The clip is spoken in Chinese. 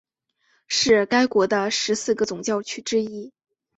是该国十四个总教区之一。